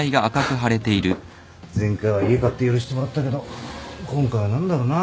前回は家買って許してもらったけど今回は何だろうな。